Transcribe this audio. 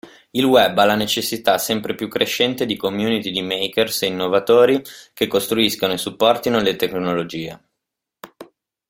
Il Web ha la necessità sempre più crescente di community di makers e innovatori che costruiscano e supportino le tecnologie.